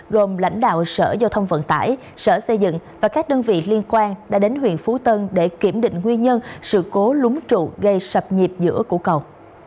gồm lãnh đạo sở giao thông vận tải sở xây dựng và các đơn vị liên quan đã đến huyện phú tân để kiểm định nguyên nhân sự cố lúng trụ gây sập nhịp giữa cổ cầu